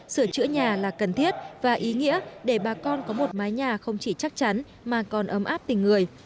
sửa chữa nhà là cần thiết và ý nghĩa để bà con có một mái nhà không chỉ chắc chắn mà còn ấm áp tình người